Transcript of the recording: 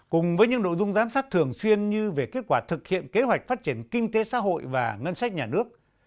cùng với những nội dung giám sát thường xuyên như về kết quả thực hiện kế hoạch phát triển kinh tế xã hội và ngân sách nhà nước